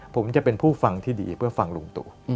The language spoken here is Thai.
ผมจะเป็นผู้ฟังที่ดีเพื่อฟังลุงตู่